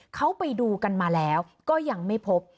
เขาไปดูกันมาแล้วก็ยังไม่พบ